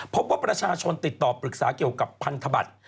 พบว่าประชาชนติดต่อปรึกษาเกี่ยวกับพันธบัตร